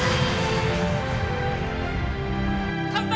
乾杯！